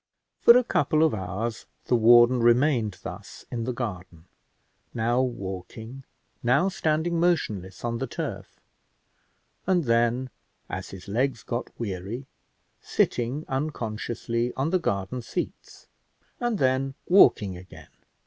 For a couple of hours the warden remained thus in the garden, now walking, now standing motionless on the turf, and then, as his legs got weary, sitting unconsciously on the garden seats, and then walking again.